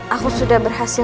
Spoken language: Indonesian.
aku sudah berhasil